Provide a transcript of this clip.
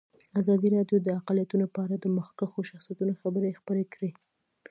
ازادي راډیو د اقلیتونه په اړه د مخکښو شخصیتونو خبرې خپرې کړي.